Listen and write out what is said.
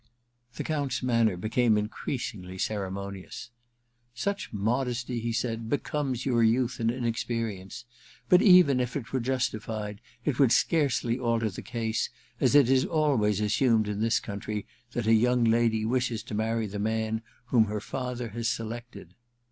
The Count's manner became increasingly ceremonious. *Such modesty,' he said, ^be comes your youth and inexperience ; but even if it were justified it would scarcely alter the case, as it is always assumed in this country that a young l^dy wishes to marry the man whom her father has selected.'